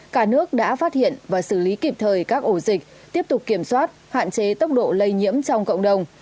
cả nước đã phát hiện và xử lý kịp thời các ổ dịch tiếp tục kiểm soát hạn chế tốc độ lây nhiễm trong cộng đồng